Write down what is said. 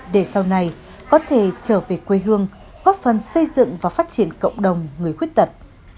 để sau này có thể trở về quê hương góp phần xây dựng và phát triển cộng đồng người khuyết tật